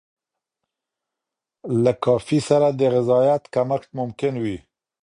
له کافي سره د غذایت کمښت ممکن وي.